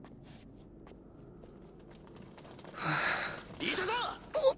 いたぞッ！